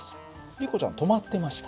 リコちゃんは止まってました。